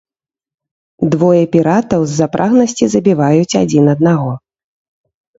Двое піратаў, з-за прагнасці, забіваюць адзін аднаго.